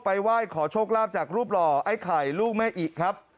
ไหว้ขอโชคลาภจากรูปหล่อไอ้ไข่ลูกแม่อิครับ